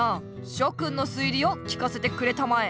しょくんの推理を聞かせてくれたまえ。